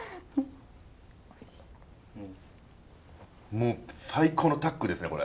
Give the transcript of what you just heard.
もう最高のタッグですねこれ。